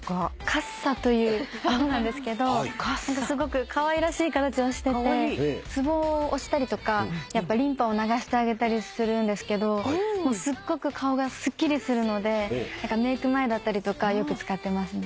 カッサというものなんですけどすごくかわいらしい形をしててつぼを押したりとかリンパを流してあげたりするんですけどすっごく顔がすっきりするのでメーク前だったりとかよく使ってます。